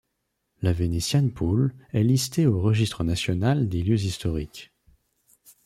La Venetian pool est listée au Registre national des lieux historiques.